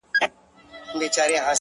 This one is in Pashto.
ته كه له ښاره ځې پرېږدې خپــل كــــــور؛